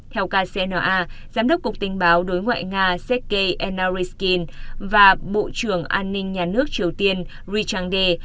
theo kcna giám đốc cục tình báo đối ngoại nga sekei enarikin và bộ trưởng an ninh nhà nước triều tiên ri chang dae